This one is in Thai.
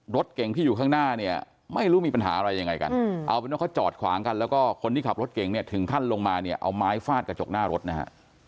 รถเก่งที่อยู่ข้างหน้าเนี่ยไม่รู้มีปัญหาอะไรยังไงกันเอาเป็นว่าเขาจอดขวางกันแล้วก็คนที่ขับรถเก่งเนี่ยถึงขั้นลงมาเนี่ยเอาไม้ฟาดกระจกหน้ารถนะฮะ